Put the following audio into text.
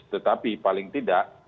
tetapi paling tidak